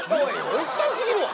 おっさんすぎるわ。